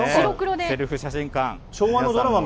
セルフ写真館。